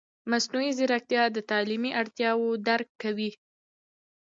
مصنوعي ځیرکتیا د تعلیمي اړتیاوو درک کوي.